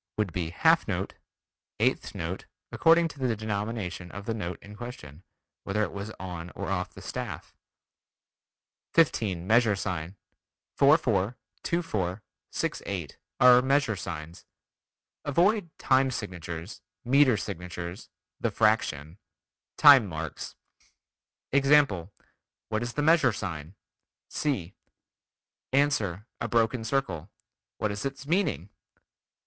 would be "half note," "eighth note" according to the denomination of the note in question, whether it was on or off the staff. 15. Measure sign: 4 4, 2 4, 6 8, are measure signs. Avoid "time signatures," "meter signatures," "the fraction," "time marks." Example: What is the measure sign? (C) Ans. A broken circle. What is its meaning?